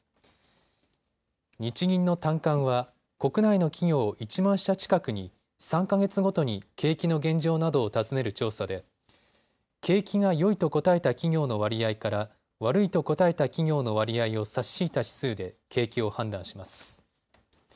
日銀の短観は、国内の企業１万社近くに３か月ごとに景気の現状などを尋ねる調査で景気がよいと答えた企業の割合から悪いと答えた企業の割合を差し引いた指数で景気を判断します。